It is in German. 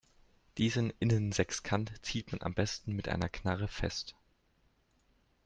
Diesen Innensechskant zieht man am besten mit einer Knarre fest.